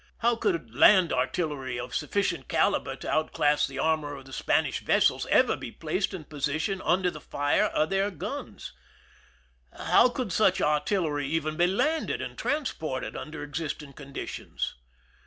How could land artillery of sufficient cali ber to outclass the armor of the Spanish vessels ever be placed in position under the fire of their guns 1 How could such artillery even be landed and transported under existing conditions?